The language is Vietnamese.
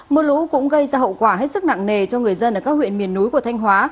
mưa lũ cũng gây ra hậu quả hết sức nặng nề cho người dân ở các huyện miền núi của thanh hóa